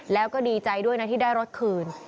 แล้วก็ดีใจด้วยนะที่ได้รถคืน